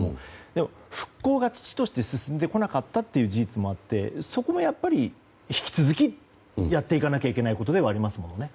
でも復興が遅々として進んでこなかったという事実もあってそこもやっぱり引き続きやっていかなければいけないことですね。